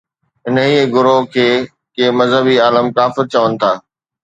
انهيءَ ئي گروهه کي ڪي مذهبي عالم ڪافر چون ٿا